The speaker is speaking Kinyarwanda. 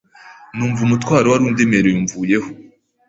numva umutwaro wari undemereye umvuyeho,